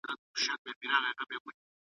نه په غم د چا شریک وای نه له رنځه کړېدلای .